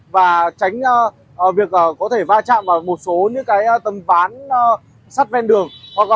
và tránh việc có thể va chạm vào một số tầm ván sắt ven đường